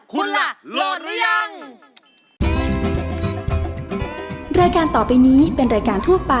คุณล่ะโหลดหรือยัง